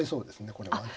これはね。